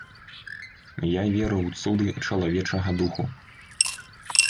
Я веру ў цуды чалавечага духу.